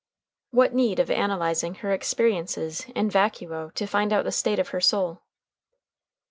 What need of analyzing her experiences in vacuo to find out the state of her soul?